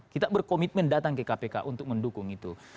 kita berkomitmen datang ke kpk untuk mendukung itu